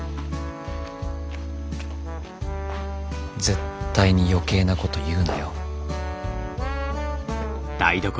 絶対に余計なこと言うなよ。